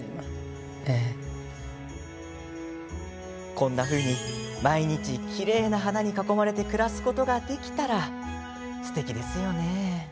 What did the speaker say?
こんなふうに、毎日きれいな花に囲まれて暮らすことができたらすてきですよね。